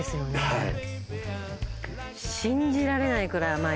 はい。